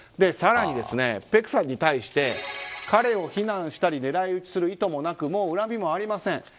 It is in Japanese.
更にペクさんに対して彼を非難したり狙い撃ちする意図もなくもう恨みもありません。